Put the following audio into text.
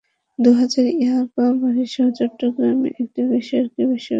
দুই হাজার ইয়াবা বড়িসহ চট্টগ্রামে একটি বেসরকারি বিশ্ববিদ্যালয়ের ছাত্রসহ দুজনকে আটক করা হয়েছে।